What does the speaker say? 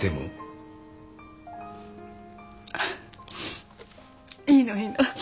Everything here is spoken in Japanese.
あっいいのいいの。